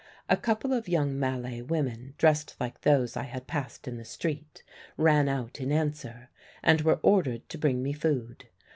A couple of young Malay women, dressed like those I had passed in the street, ran out in answer, and were ordered to bring me food.